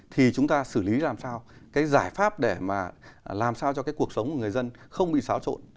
thì chúng ta xử lý làm sao cái giải pháp để mà làm sao cho cái cuộc sống của người dân không bị xáo trộn